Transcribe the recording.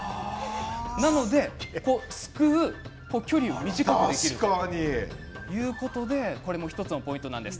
なのですくう距離を短くできる。ということでこれも１つのポイントです。